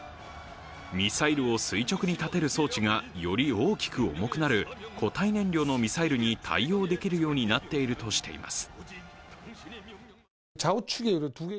ミサイルを垂直に立てる装置がより大きく重くなる固体燃料のミサイルに対応できるようになっているとしています。